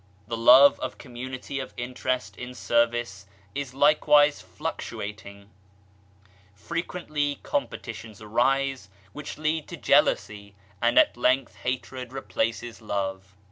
The Love of Community of Interest in service is like wise fluctuating ; frequently competitions arise, which lead to jealousy, and at length hatred replaces Love.